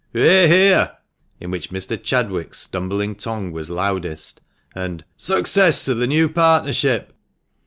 " Hear ! hear !" in which Mr. Chadwick's stumbling tongue was loudest, and "Success to the new partnership!"